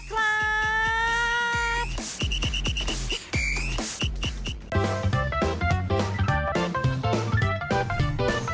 โปรดติดตามตอนต่อไป